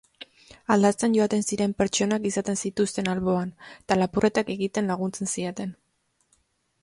Aldatzen joaten ziren pertsonak izaten zituzten alboan, eta lapurretak egiten laguntzen zieten.